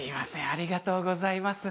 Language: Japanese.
ありがとうございます。